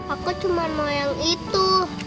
aku cuma mau yang itu